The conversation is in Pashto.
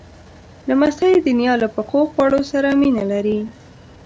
لمسی د نیا له پخو خواړو سره مینه لري.